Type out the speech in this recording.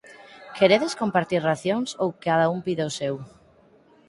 Queredes compartir racións ou cada un pide o seu?